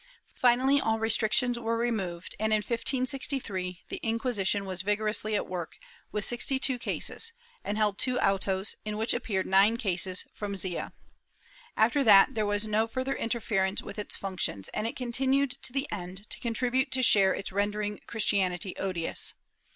Finally, all restrictions were removed and, in 1563, the Inquisition was vigorously at work, with sixty two cases, and held two autos, in which appeared nine cases from Xea.^ After that there was no further interference with its func tions, and it continued to the end to contribute its share to ren dering Christianity odious.